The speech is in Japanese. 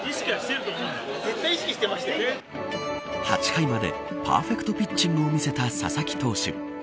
８回まで、パーフェクトピッチングを見せた佐々木投手。